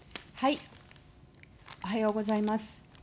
おはようございます。